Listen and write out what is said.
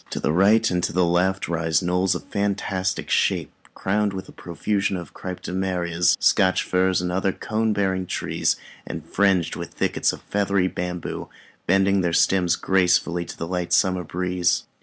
To the right and to the left rise knolls of fantastic shape, crowned with a profusion of Cryptomerias, Scotch firs and other cone bearing trees, and fringed with thickets of feathery bamboos, bending their stems gracefully to the light summer breeze.